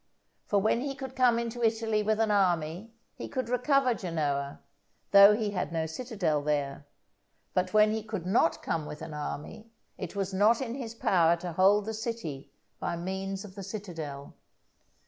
For when he could come into Italy with an army, he could recover Genoa, though he had no citadel there; but when he could not come with an army, it was not in his power to hold the city by means of the citadel.